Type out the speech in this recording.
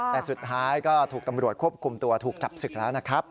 แต่สุดท้ายก็ถูกตำรวจควบคุมตัวถูกจับศึกแล้วนะครับ